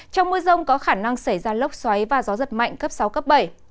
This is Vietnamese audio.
trong mưa rông có khả năng xảy ra lốc xoáy và gió giật mạnh cấp sáu cấp bảy